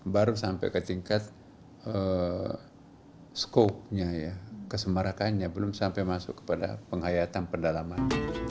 baru sampai ke tingkat skopnya ya kesemarakannya belum sampai masuk kepada penghayatan pendalaman